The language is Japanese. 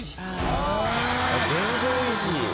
あっ現状維持。